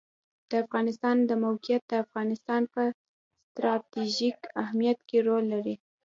د افغانستان د موقعیت د افغانستان په ستراتیژیک اهمیت کې رول لري.